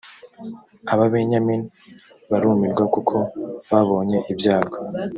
ababenyamini barumirwa kuko babonye ibyago